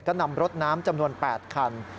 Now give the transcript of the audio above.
ก็นำรถน้ำจำนวน๘คัน